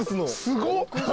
すごっ！